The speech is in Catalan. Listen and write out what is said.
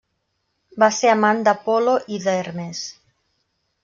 Va ser amant d'Apol·lo i d'Hermes.